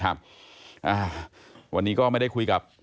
เผื่อเขายังไม่ได้งาน